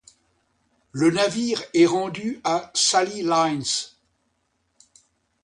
Le navire est rendu à Sally Lines.